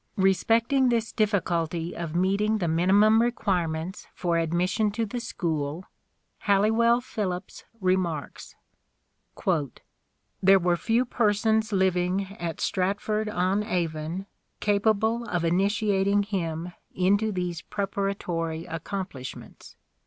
Respecting this difficulty of meeting the minimum requirements for admission to the school Halliwell Phillipps remarks :" There were few persons living at Stratford on Avon capable of initiating him into these preparatory accomplishments